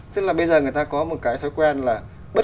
tức là bây giờ người ta có một cái thói quen là bất